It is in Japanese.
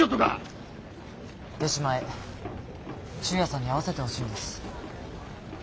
忠弥さんに会わせてほしいんです。